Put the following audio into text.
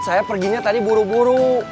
saya perginya tadi buru buru